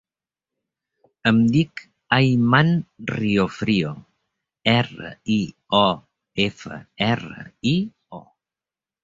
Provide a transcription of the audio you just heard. Em dic Ayman Riofrio: erra, i, o, efa, erra, i, o.